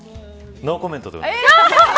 ノーコメントでお願いします。